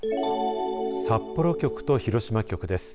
札幌局と広島局です。